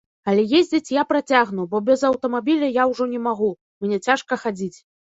Але ездзіць я працягну, бо без аўтамабіля я ўжо не магу, мне цяжка хадзіць.